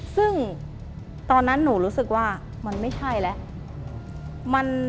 ซึ่งตอนนั้นหนูรู้สึกว่ามันไม่ใช่แล้ว